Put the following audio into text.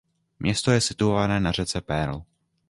Město je situované na řece Pearl.